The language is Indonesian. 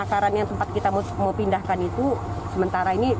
karena memang pertama buaya sudah besar